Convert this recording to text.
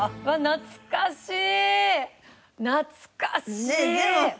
懐かしい？